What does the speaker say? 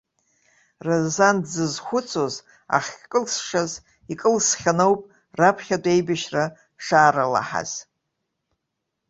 Разан дзызхәыцуаз ахькылсшаз икылсхьаны ауп раԥхьатәи аибашьра шаарылаҳаз.